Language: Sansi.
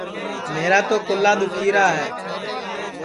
میرا تو کُہلا دُؔکھیرا ہے